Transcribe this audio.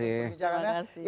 terima kasih bu